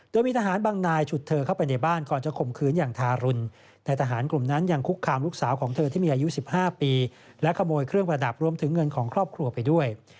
โดยมีทหารบางนายฉุดเธอเข้าไปในบ้านก่อนจะข่มขืนอย่างทารุณแต่ทหารกลุ่มนั้นยังคุกคามลูกสาวของเธอที่มีอายุ๑๕ปีและขโมยเครื่องประดับรวมถึงเงินของครอบครัวไปด้วย